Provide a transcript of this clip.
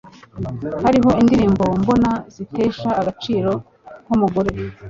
Hariho indirimbo mbona zitesha agaciro nkumugore